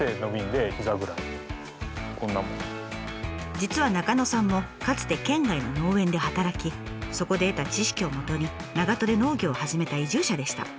実は中野さんもかつて県外の農園で働きそこで得た知識をもとに長門で農業を始めた移住者でした。